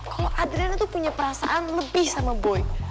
kalau adriana tuh punya perasaan lebih sama boy